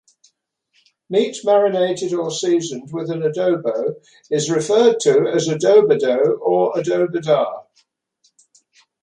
Meat marinated or seasoned with an "adobo" is referred to as "adobado" or "adobada".